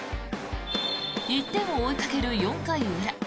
１点を追いかける４回裏。